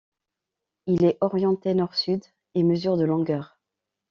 Il est orienté nord-sud et mesure de longueur.